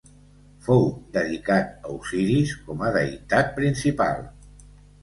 Fou dedicat a Osiris com a deïtat principal.